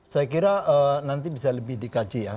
saya kira nanti bisa lebih dikaji ya